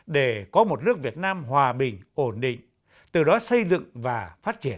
để có một nước việt nam hòa bình ổn định từ đó xây dựng và phát triển